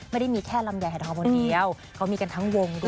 ไม่ได้มีแค่ลำไยหายทองคนเดียวเขามีกันทั้งวงด้วย